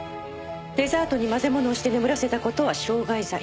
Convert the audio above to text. デザートに混ぜ物をして眠らせた事は傷害罪。